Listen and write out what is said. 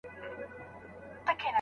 تا چي هر څه زیږولي غلامان سي